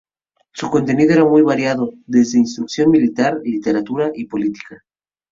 Su contenido era muy variado, desde instrucción militar, literatura y política.